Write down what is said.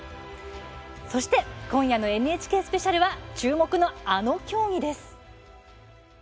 そして今夜の「ＮＨＫスペシャル」は注目の、あの競技です。